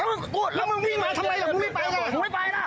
แล้วมึงวิ่งมาทำอะไรแล้วมึงไม่ไปล่ะ